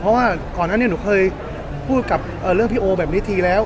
เพราะว่าก่อนนั้นหนูเคยพูดกับเรื่องพี่โอแบบนี้ทีแล้ว